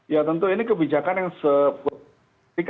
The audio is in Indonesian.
ya tentu ini kebijakan yang seperti